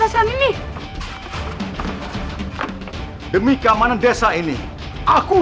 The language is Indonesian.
oleh satu panggung ke mana yang saya biarkan tau turnover quiu